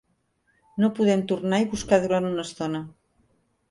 No podem tornar i buscar durant una estona.